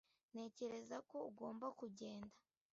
Ntekereza ko ugomba kugenda